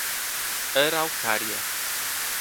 Araucária